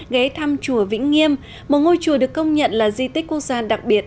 ghé thăm chùa vĩnh nghiêm một ngôi chùa được công nhận là di tích quốc gia đặc biệt